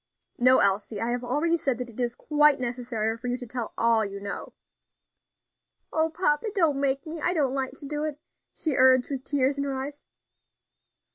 "No, Elsie; I have already said that it is quite necessary for you to tell all you know." "O papa! don't make me; I don't like to do it," she urged, with tears in her eyes.